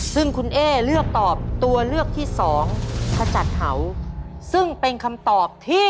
ซึ่งคุณเอ๊เลือกตอบตัวเลือกที่สองขจัดเห่าซึ่งเป็นคำตอบที่